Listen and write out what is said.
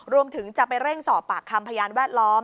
รวมถึงจะไปเร่งสอบปากคำพยานแวดล้อม